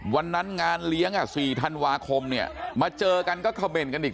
วันนั้นงานเลี้ยง๔ธันวาคมมาเจอกันก็คาเมนต์กันอีก